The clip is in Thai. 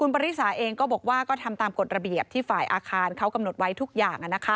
ปริสาเองก็บอกว่าก็ทำตามกฎระเบียบที่ฝ่ายอาคารเขากำหนดไว้ทุกอย่าง